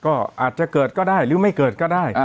ก็อาจจะเกิดก็ได้หรือไม่เกิดก็ได้